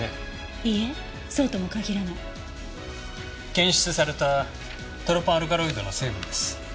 検出されたトロパンアルカロイドの成分です。